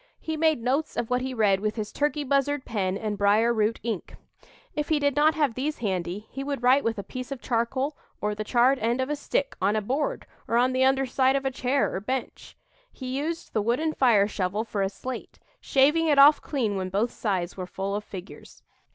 He made notes of what he read with his turkey buzzard pen and brier root ink. If he did not have these handy, he would write with a piece of charcoal or the charred end of a stick, on a board, or on the under side of a chair or bench. He used the wooden fire shovel for a slate, shaving it off clean when both sides were full of figures.